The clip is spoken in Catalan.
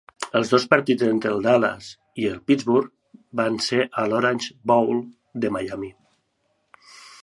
Els dos partits entre el Dallas i el Pittsburgh van ser a l'Orange Bowl de Miami.